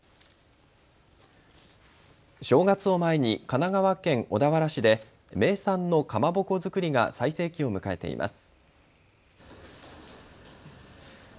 正月を前に神奈川県小田原市で名産のかまぼこ作りが最盛期を迎えています。